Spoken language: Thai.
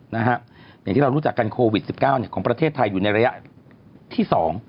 อย่างที่เรารู้จักกันโควิด๑๙ของประเทศไทยอยู่ในระยะที่๒